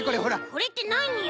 これってなによ？